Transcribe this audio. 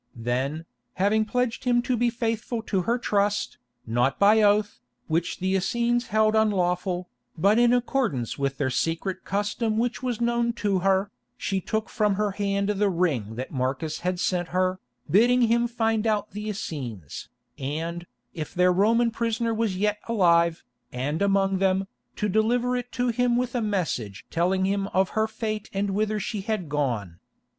Then, having pledged him to be faithful to her trust, not by oath, which the Essenes held unlawful, but in accordance with their secret custom which was known to her, she took from her hand the ring that Marcus had sent her, bidding him find out the Essenes, and, if their Roman prisoner was yet alive, and among them, to deliver it to him with a message telling him of her fate and whither she had gone.